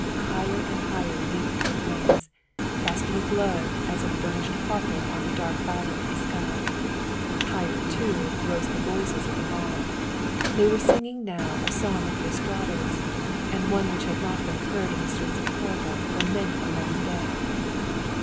Higher and higher leaped the flames, casting a glow as of burnished copper on the dark violet of the sky. Higher, too, rose the voices of the mob; they were singing now a song of the Estratos, and one which had not been heard in the streets of Corbo for many a long day.